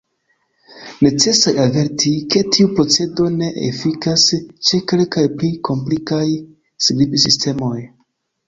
Necesas averti, ke tiu procedo ne efikas ĉe kelkaj pli komplikaj skribsistemoj.